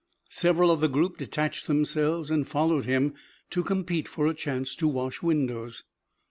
Several of the group detached themselves and followed him to compete for a chance to wash windows.